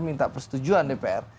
minta persetujuan dpr